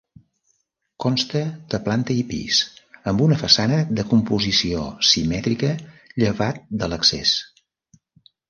Consta de planta i pis, amb una façana de composició simètrica, llevat de l'accés.